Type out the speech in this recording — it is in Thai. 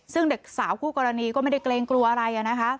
ซึ่งเด็กสาวคู่กรณีก็ไม่ได้เกรงกลัวอะไรนะคะ